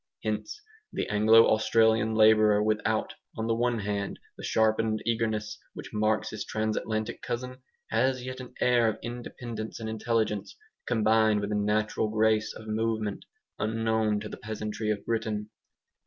Hence the Anglo Australian labourer without, on the one hand, the sharpened eagerness which marks his Transatlantic cousin, has yet an air of independence and intelligence, combined with a natural grace of movement, unknown to the peasantry of Britain.